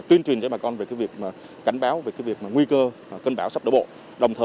yêu cầu bà con thực hiện đúng quy định